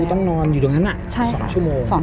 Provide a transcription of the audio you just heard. ต้องนอนอยู่ตรงนั้น๒ชั่วโมง